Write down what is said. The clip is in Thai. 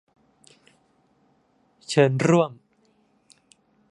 เชิญร่วม